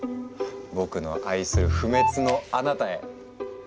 僕の愛する「不滅のあなたへ」。